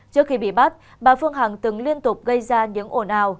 trước khi bị bắt bà phương hằng từng liên tục gây ra những ồn ào